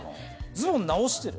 ズボン直してる？